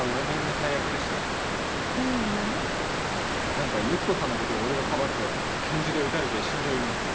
何かユキコさんのことを俺がかばって拳銃で撃たれて死んじゃう夢っす。